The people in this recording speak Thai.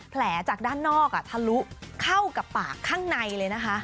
แผลจากด้านนอกถ้ารู้เข้ากับปากข้างในเลยนะคะ